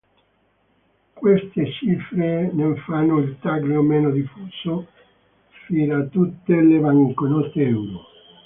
Queste cifre ne fanno il taglio meno diffuso fra tutte le banconote euro.